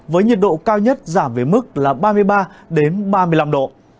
với nhiệt độ cao nhất giảm về mức là ba mươi ba ba mươi năm độ